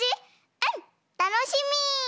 「うんたのしみ！」。